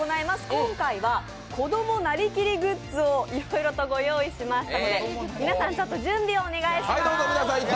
今回は子供なりきりグッズをいろいろご用意しましたので皆さん準備をお願いします。